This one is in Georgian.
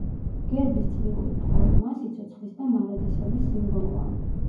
გერბის წლიური ფორმა სიცოცხლის და მარადისობის სიმბოლოა.